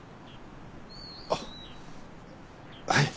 あっはい。